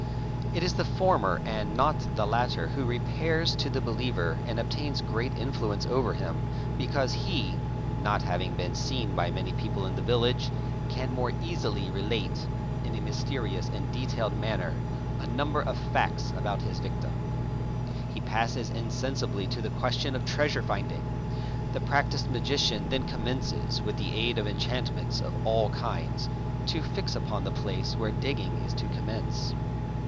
It is the former and not the latter who repairs to the believer and obtains great influence over him, because he, not having been seen by many people in the village, can more easily relate, in a mysterious and detailed manner, a number of facts about his victim. He passes insensibly to the question of treasure finding. The practised magician then commences, with the aid of enchantments of all kinds, to fix upon the place where digging is to commence.